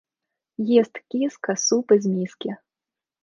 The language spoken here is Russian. Ест киска суп из миски.